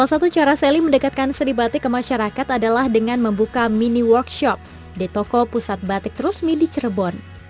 salah satu cara sally mendekatkan seri batik ke masyarakat adalah dengan membuka mini workshop di toko pusat batik terusmi di cirebon